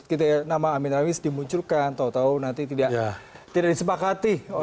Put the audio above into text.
kita nama amin rais dimunculkan tau tau nanti tidak disepakati oleh polisi